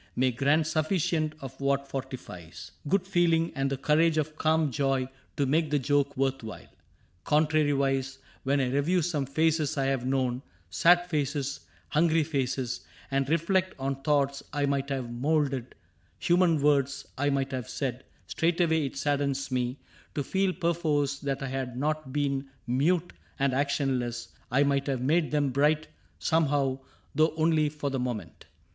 May grant suflicient of what fortifies Good feeling and the courage of calm joy CAPTAIN CRAIG 59 To make the joke worth while. Contrariwise, When I review some faces I have known — Sad faces, hungry faces — and reflect On thoughts I might have moulded, human words I might have said, straightway it saddens me To feel perforce that had I not been mute And actionless, I might have made them bright Somehow, though only for the moment.